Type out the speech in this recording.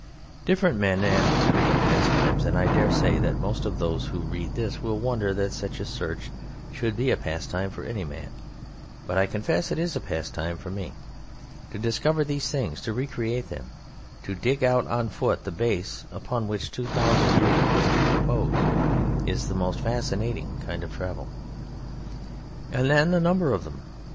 Different men have different pastimes, and I dare say that most of those who read this will wonder that such a search should be a pastime for any man, but I confess it is a pastime for me. To discover these things, to recreate them, to dig out on foot the base upon which two thousand years of history repose, is the most fascinating kind of travel. And then, the number of them!